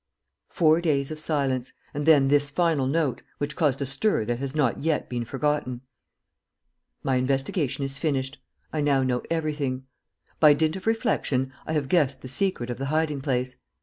Four days of silence, and then this final note, which caused a stir that has not yet been forgotten: "My investigation is finished. I now know everything. "By dint of reflection, I have guessed the secret of the hiding place.